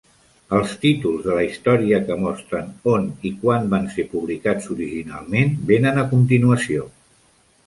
Els títols de la història, que mostren on i quan van ser publicats originalment, venen a continuació.